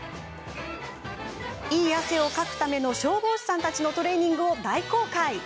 いい汗をかくための消防士さんたちのトレーニングを大公開。